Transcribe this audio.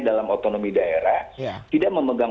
dalam otonomi daerah tidak memegang